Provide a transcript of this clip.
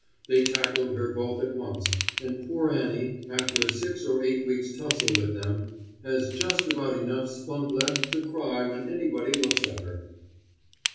They tackled her both at once, and poor Annie, after a six or eight weeks' tussle with them, has just about enough spunk left to cry when anybody looks at her.